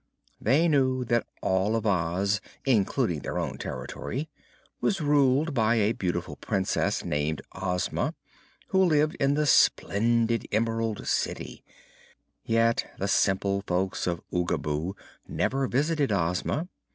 They knew that all of Oz, including their own territory, was ruled by a beautiful Princess named Ozma, who lived in the splendid Emerald City; yet the simple folk of Oogaboo never visited Ozma.